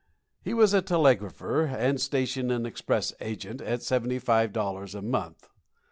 He was a telegrapher and station and express agent at seventy five dollars a month.